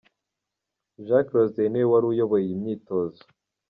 Jacques Rosier niwe wari uyoboye iyo myitozo.